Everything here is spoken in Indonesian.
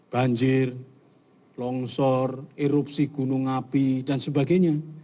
banjir longsor erupsi gunung api dan sebagainya